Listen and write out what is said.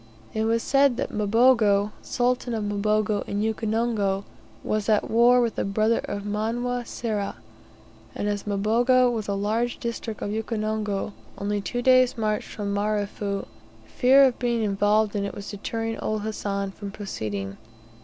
It was said that Mbogo, Sultan of Mboga in Ukonongo, was at war with the brother of Manwa Sera, and as Mbogo was a large district of Ukonongo only two days' march from Marefu; fear of being involved in it was deterring old Hassan from proceeding.